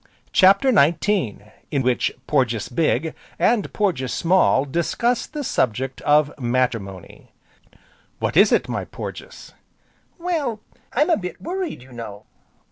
CHAPTER XIX In which Porges Big, and Porges Small discuss the subject of Matrimony "What is it, my Porges?" "Well, I'm a bit worried, you know."